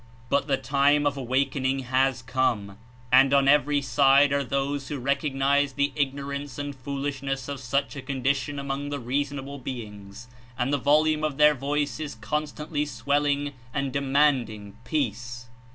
But the time of awaken ing has come and on every side are those who recog 43 nlze the ignorance and 'foolishness of such a condition among the reasonable beings, and the volume of their voice is constantly swelling and demanding peace.